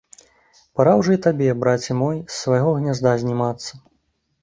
Пара ўжо і табе, браце мой, з свайго гнязда знімацца!